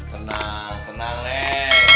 tenang tenang nek